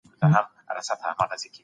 په غونډو کې د پوهانو خبرې اورېدل کېږي.